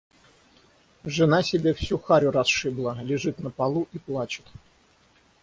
Жена себе всю харю расшибла, лежит на полу и плачет.